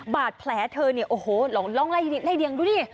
บาดแผลเธอเนี่ยโอ้โหลองไล่เรียงดูดิ